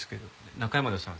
中山田さん